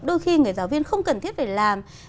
đôi khi người giáo viên không cần thiết để làm